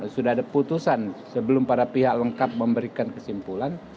sudah ada putusan sebelum para pihak lengkap memberikan kesimpulan